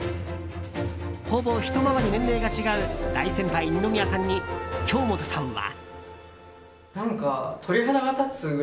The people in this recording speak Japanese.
ほぼひと回り年齢が違う大先輩・二宮さんに京本さんは。